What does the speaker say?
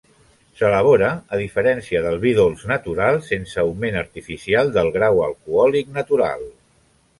S'elabora, a diferència del vi dolç natural, sense augment artificial del grau alcohòlic natural.